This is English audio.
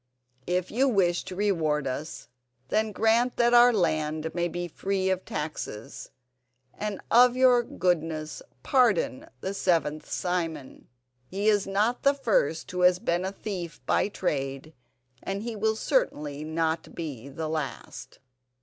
If you wish to reward us then grant that our land may be free of taxes, and of your goodness pardon the seventh Simon. He is not the first who has been a thief by trade and he will certainly not be the last."